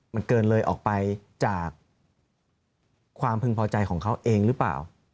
มันเกินเลยออกไปจากความพึงพอใจของเขาเองหรือเปล่า